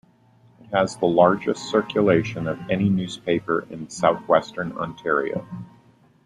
It has the largest circulation of any newspaper in Southwestern Ontario.